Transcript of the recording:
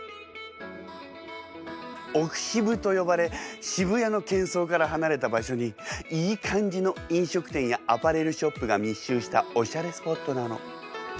「奥渋」と呼ばれ渋谷のけん騒から離れた場所にいい感じの飲食店やアパレルショップが密集したおしゃれスポットなの。